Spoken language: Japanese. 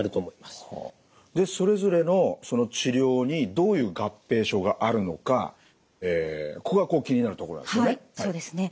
でそれぞれの治療にどういう合併症があるのかここが気になるところなんですよね。